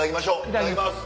いただきます。